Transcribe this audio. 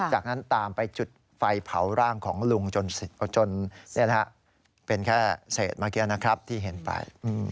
จากนั้นตามไปจุดไฟเผาร่างของลุงจนเป็นแค่เศษเมื่อกี้นะครับที่เห็นไป